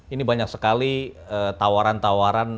ini banyak sekali tawaran tawaran